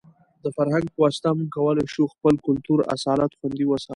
د فرهنګ په واسطه موږ کولای شو خپل کلتوري اصالت خوندي وساتو.